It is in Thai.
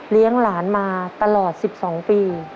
เลี้ยงหลานมาตลอด๑๒ปี